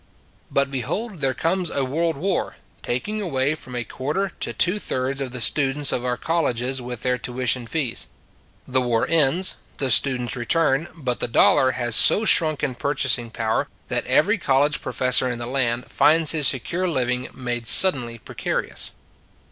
But, behold, there comes a world war, taking away from a quarter to two thirds of the students of our colleges with their tuition fees. The war ends; the students return; but the dollar has so shrunk in pur chasing power that every college professor A Moving Picture World 61 in the land finds his secure living made suddenly precarious.